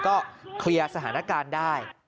ก็เคลียร์สถานการณ์ได้